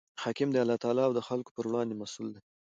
حاکم د الله تعالی او د خلکو پر وړاندي مسئوله دئ.